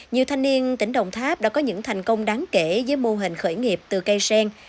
nhiều thanh niên tỉnh đồng tháp đã có những thành công đáng kể với mô hình khởi nghiệp từ cây sen